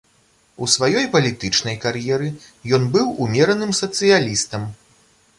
У сваёй палітычнай кар'еры ён быў умераным сацыялістам.